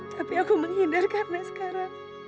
tapi aku menghindar karena sekarang